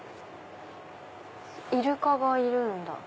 イルカがいるんだ。